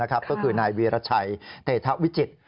ก็คือนายวีรชัยเตธวิจิตร